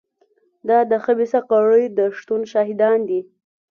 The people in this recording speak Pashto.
دا د خبیثه کړۍ د شتون شاهدان دي.